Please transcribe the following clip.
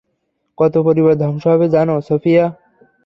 কত পরিবার ধ্বংস হবে জানো, সোফিয়া?